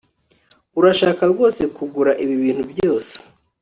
urashaka rwose kugura ibi bintu byose